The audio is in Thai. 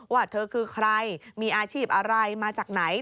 ว่าเธอคือใครมีอาชีพอะไรมาจากไหน